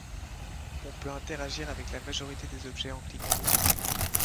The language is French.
On peut interagir avec la majorité des objets en cliquant dessus.